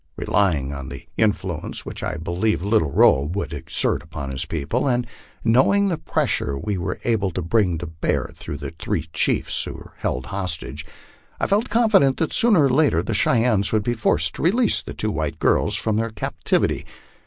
Relying upon the influence which I believed Little Robe would exert upon his people, and knowing the pressure we were able to bring to bear through the three chiefs we held as hostages, I felt confident that sooner or later the Cheyennes would be forced to release the two white girls from their captivity.